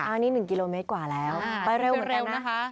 อันนี้๑กิโลเมตรกว่าแล้วไปเร็วนะคะ